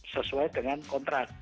sesuai dengan kontrak